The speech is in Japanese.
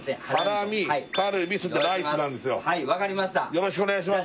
よろしくお願いします